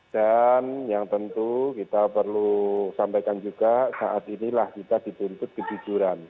dan yang tentu kita perlu sampaikan juga saat inilah kita dituntut kejujuran